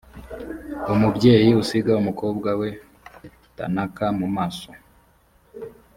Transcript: umubyeyi usiga umukobwa we thanaka mu maso